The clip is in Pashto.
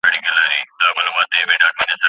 که تجربه وي نو شک نه پاتې کیږي.